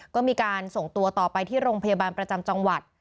ก็มีการส่งตัวต่อไปที่โรงพยาบาลประจำจังหวัด